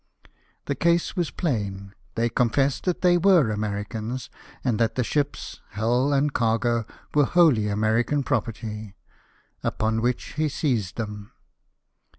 The case was plain ; they confessed that they were Americans, and that the ships, hull and cargo, were 'wholly American property — upon which he seized them.